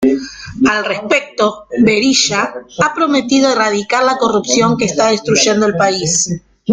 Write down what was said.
Al respecto, Berisha ha prometido "erradicar la corrupción que está destruyendo el país".